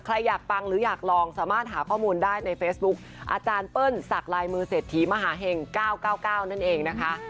ใครอยากปังหรืออยากลองสามารถหาข้อมูลได้ในเฟซบุ๊คอาจารย์เปิ้ลสักลายมือเศรษฐีมหาเห็ง๙๙๙นั่นเองนะคะ